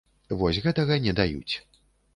Вось гэтага не даюць.